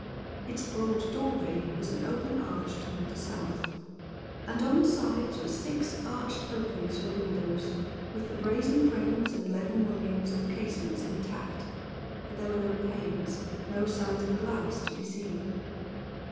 Its broad doorway was an open arch toward the south, and on the sides were six arched openings for windows, with the brazen frames and leaden mullions of the casements intact; but there were no panes no signs of glass to be seen.